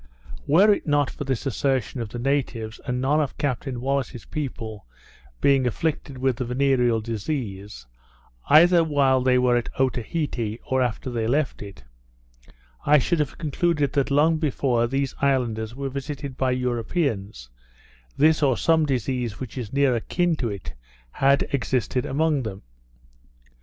Were it not for this assertion of the natives, and none of Captain Wallis's people being affected with the venereal disease, either while they were at Otaheite, or after they left it, I should have concluded that long before these islanders were visited by Europeans, this or some disease which is near akin to it, had existed amongst them.